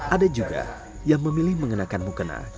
ada juga yang memilih mengenakan mukena